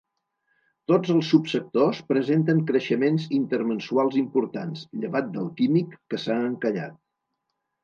Tots els subsectors presenten creixements intermensuals importants, llevat del químic, que s’ha encallat.